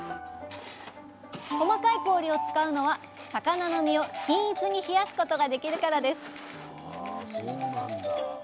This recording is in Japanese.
細かい氷を使うのは魚の身を均一に冷やすことができるからです